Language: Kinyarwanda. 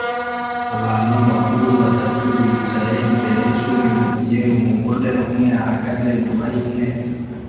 Abantu bakuru batatu bicaye imbere yishuri mugihe umugore umwe ahagaze inyuma yintebe